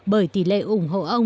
bởi tỷ lệ ủng hộ ông